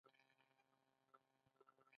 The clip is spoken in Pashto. ایا کله مو پوزه وینې شوې ده؟